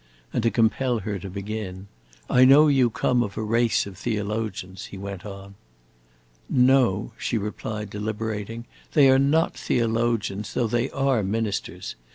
And to compel her to begin, "I know you come of a race of theologians," he went on. "No," she replied, deliberating; "they are not theologians, though they are ministers.